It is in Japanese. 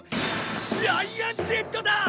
ジャイアン・ジェットだ！